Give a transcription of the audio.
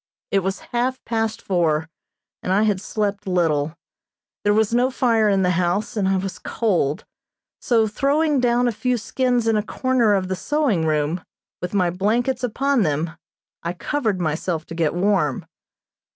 It was half past four and I had slept little. There was no fire in the house, and I was cold; so, throwing down a few skins in a corner of the sewing room, with my blankets upon them, I covered myself to get warm.